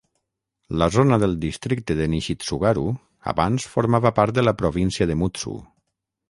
La zona del districte de Nishitsugaru abans formava part de la província de Mutsu.